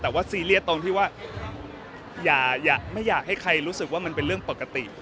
แต่ว่าซีเรียสตรงที่ว่าอย่าไม่อยากให้ใครรู้สึกว่ามันเป็นเรื่องปกติ